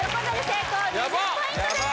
成功２０ポイントです